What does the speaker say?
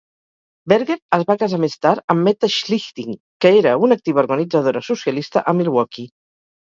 Berger es va casar més tard amb Meta Schlichting, que era una activa organitzadora socialista a Milwaukee.